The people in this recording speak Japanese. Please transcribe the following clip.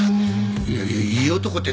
いやいい男って。